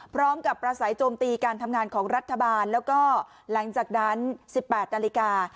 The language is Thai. พร้อมกับประสายจมตีการทำงานของรัฐบาลแล้วก็หลังจากนั้นสิบแปดนาฬิกา